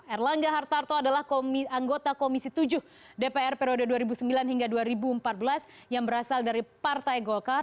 erlangga hartarto adalah anggota komisi tujuh dpr periode dua ribu sembilan hingga dua ribu empat belas yang berasal dari partai golkar